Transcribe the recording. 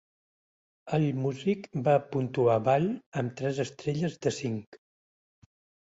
AllMusic va puntuar "Ball" amb tres estrelles de cinc.